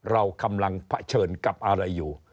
เรากำลังเผชิญกับอะไรอยู่